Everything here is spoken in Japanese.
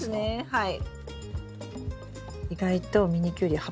はい。